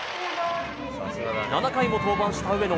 ７回も登板した上野。